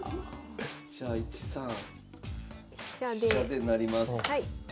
じゃあ１三飛車で成ります。